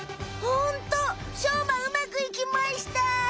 ホントしょうまうまくいきました！